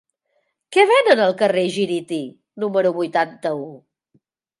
Què venen al carrer Gíriti número vuitanta-u?